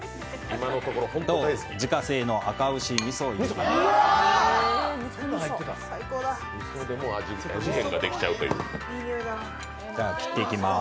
自家製のあか牛みそを入れていきます。